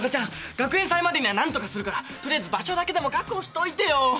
学園祭までには何とかするからとりあえず場所だけでも確保しといてよ。